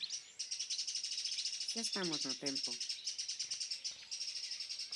Xa estamos no tempo.